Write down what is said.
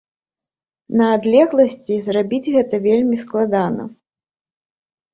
На адлегласці зрабіць гэта вельмі складана.